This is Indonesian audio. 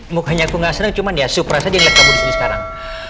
mukanya aku nggak senang cuman ya supra saja lewat kamu sekarang